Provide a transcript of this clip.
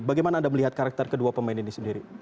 bagaimana anda melihat karakter kedua pemain ini sendiri